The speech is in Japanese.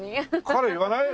彼言わない？